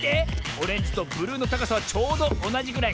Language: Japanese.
オレンジとブルーのたかさはちょうどおなじぐらい。